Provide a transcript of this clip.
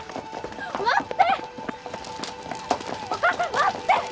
待って！